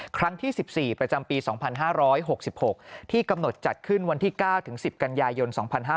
ครั้งที่๑๔ประจำปี๒๕๖๖ที่กำหนดจัดขึ้นวันที่๙๑๐กันยายน๒๕๕๙